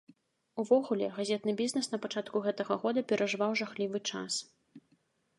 Увогуле, газетны бізнес на пачатку гэтага года перажываў жахлівы час.